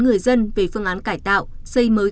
người dân về phương án cải tạo xây mới